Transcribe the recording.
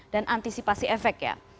dan antisipasi efek ya